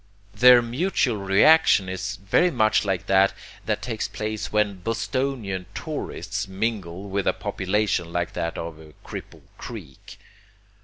Their mutual reaction is very much like that that takes place when Bostonian tourists mingle with a population like that of Cripple Creek.